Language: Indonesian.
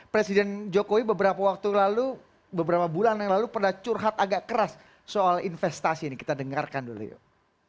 presiden jokowi beberapa waktu lalu beberapa bulan yang lalu pernah curhat agak keras soal investasi ini kita dengarkan dulu yuk